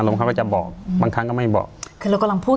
ลุงเขาก็จะบอกบางครั้งก็ไม่บอกคือเรากำลังพูด